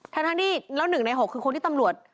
แทนทั้งที่แล้ว๑ใน๖คนที่ตำรวจ